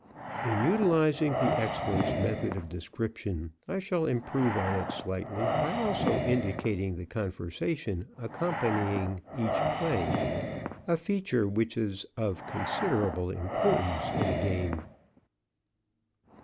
In utilizing the expert's method of description, I shall improve on it slightly by also indicating the conversation accompanying each play, a feature which is of considerable importance in a game.